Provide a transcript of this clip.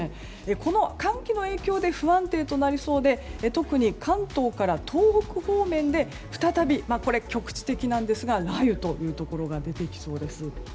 この寒気の影響で不安定となりそうで特に関東から東北方面で再び、局地的なんですが雷雨というところが出てきそうです。